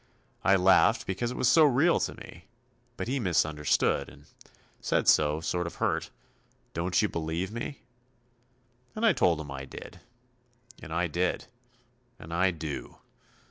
I laughed because it was so real to me, but he misunderstood, and said so sort of hurt, "Don't you believe me?" And I told him I did. And I did. And I do.